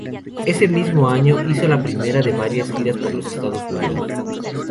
Ese mismo año hizo la primera de varias giras por los Estados Unidos.